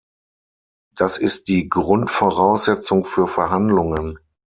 Das ist die Grundvoraussetzung für Verhandlungen.